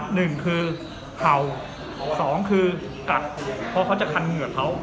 หนึ่งคือเห่าสองคือกัดเพราะเขาจะคันเหงื่อเขา